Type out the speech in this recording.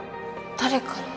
誰から？